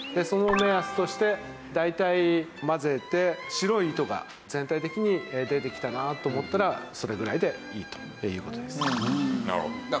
その目安として大体混ぜて白い糸が全体的に出てきたなと思ったらそれぐらいでいいという事です。